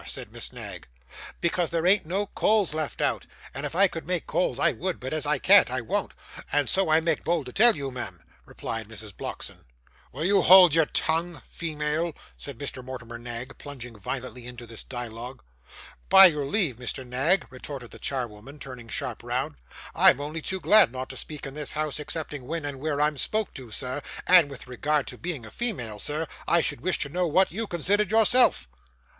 said Miss Knag. 'Because there arn't no coals left out, and if I could make coals I would, but as I can't I won't, and so I make bold to tell you, Mem,' replied Mrs. Blockson. 'Will you hold your tongue female?' said Mr. Mortimer Knag, plunging violently into this dialogue. 'By your leave, Mr. Knag,' retorted the charwoman, turning sharp round. 'I'm only too glad not to speak in this house, excepting when and where I'm spoke to, sir; and with regard to being a female, sir, I should wish to know what you considered yourself?